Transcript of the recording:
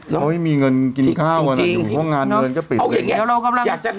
เขาไม่มีเงินกินข้าวนะอยู่ห้องงานเงินก็ปิดเลย